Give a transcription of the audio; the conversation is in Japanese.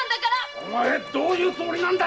お前どういうつもりなんだ！